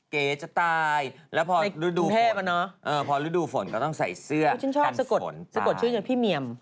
เก๋จะตายแล้วพอฤดูฝนก็ต้องใส่เสื้อกันฝนป่ะฉันชอบสกดชื่ออยู่กับพี่เมียม